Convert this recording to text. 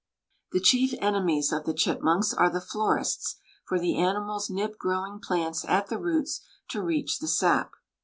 The chief enemies of the chipmunks are the florists, for the animals nip growing plants at the roots to reach the sap.